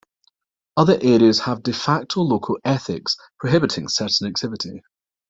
Other areas have "de facto" local ethics prohibiting certain activity.